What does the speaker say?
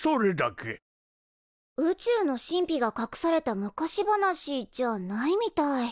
宇宙の神秘がかくされた昔話じゃないみたい。